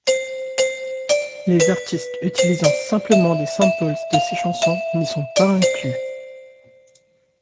Les artistes utilisant simplement des samples de ses chansons n'y sont pas inclus.